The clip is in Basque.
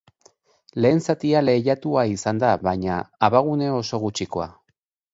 Lehen zatia lehiatua izan da, baina abagune oso gutxikoa.